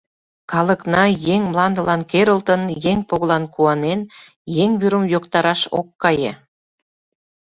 Калыкна еҥ мландылан керылтын, еҥ погылан куанен, еҥ вӱрым йоктараш ок кае.